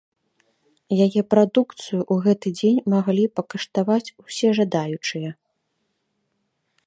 Яе прадукцыю ў гэты дзень маглі пакаштаваць усе жадаючыя.